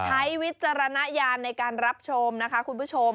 วิจารณญาณในการรับชมนะคะคุณผู้ชม